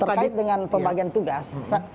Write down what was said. terkait dengan pembagian tugas